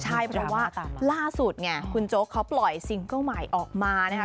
ใช่เพราะว่าล่าสุดเนี่ยคุณโจ๊กเขาปล่อยซิงเกิ้ลใหม่ออกมานะคะ